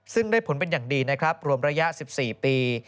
ซึ่งได้ผลเป็นอย่างดีนะครับรวมระยะ๑๔ปี